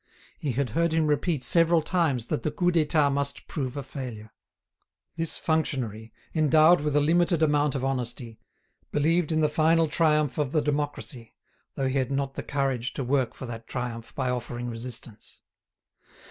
He had heard him repeat several times that the Coup d'État must prove a failure. This functionary, endowed with a limited amount of honesty, believed in the final triumph of the democracy, though he had not the courage to work for that triumph by offering resistance.